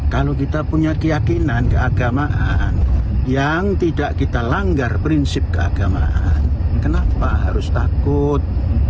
kalau kita punya keyakinan keagamaan yang tidak kita langgar prinsip keagamaan kenapa harus takut